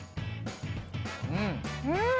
うん。